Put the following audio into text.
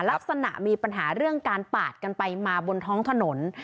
ลักษณะมีปัญหาเรื่องการปาดกันไปมาบนท้องถนน